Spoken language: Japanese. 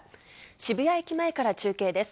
渋谷駅前から中継です。